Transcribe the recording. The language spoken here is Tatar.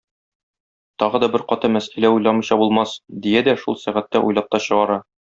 Тагы да бер каты мәсьәлә уйламыйча булмас,- дия дә шул сәгатьтә уйлап та чыгара.